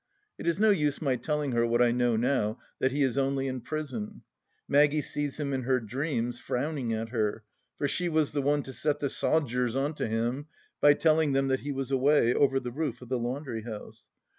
It is no use my telling her what I know now, that he is only in prison. Maggie sees him in her dreams, frowning at her, for she was the one to set the " sodgers " on to him by telling them that he was away over the roof of the laundry house.